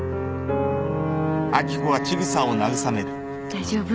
大丈夫？